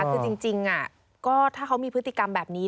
คือจริงก็ถ้าเขามีพฤติกรรมแบบนี้